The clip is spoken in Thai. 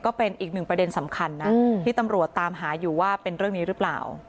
ก็เป็นอีกหนึ่งประเด็นสำคัญนะที่ตำรวจตามหาอยู่ว่าเป็นเรื่องนี้หรือเปล่า